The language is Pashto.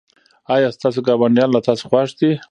ایا ستاسو ګاونډیان له تاسو خوښ دي؟